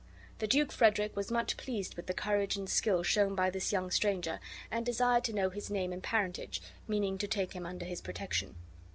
The Duke Frederick was much pleased with the courage and skill shown by this young stranger; and desired to know his name and parentage, meaning to take him under his protection.